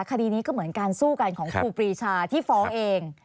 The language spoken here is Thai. คดีนี้ก็เหมือนการสู้กันของครูปรีชาที่ฟ้องเอง